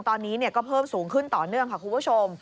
ตอนนี้ก็เพิ่มสูงขึ้นต่อเนื่องค่ะคุณผู้ชม